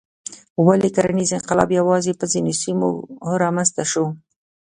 ولې کرنیز انقلاب یوازې په ځینو سیمو رامنځته شو؟